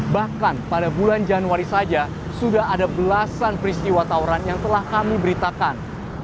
bahkan pada bulan januari saja sudah ada belasan peristiwa tawuran yang telah kami beritakan